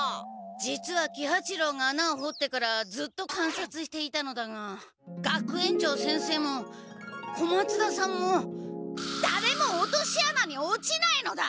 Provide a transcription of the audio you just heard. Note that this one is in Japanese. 実は喜八郎が穴をほってからずっとかんさつしていたのだが学園長先生も小松田さんもだれも落とし穴に落ちないのだ！